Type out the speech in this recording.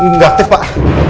nggak aktif pak